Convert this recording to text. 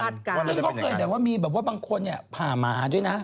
ซึ่งเขาเคยแบบว่ามีบางคนผ่าหมาด้วยนะ